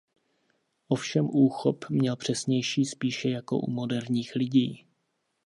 Ovšem úchop měl přesnější spíše jako u moderních lidí.